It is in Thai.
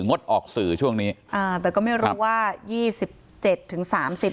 งดออกสื่อช่วงนี้อ่าแต่ก็ไม่รู้ว่ายี่สิบเจ็ดถึงสามสิบ